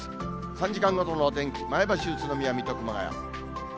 ３時間ごとのお天気、前橋、宇都宮、水戸、熊谷。